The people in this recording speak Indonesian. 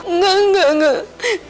enggak enggak enggak